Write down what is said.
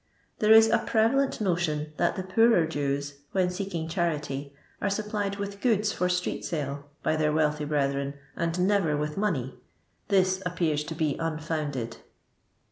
There is a prevalent notion that the poorer Jews, when seeking charity, are sup plied with goods for street sale by their wealthy brethren, and never with money — this appears to be unfounded.